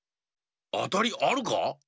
あたりあるか？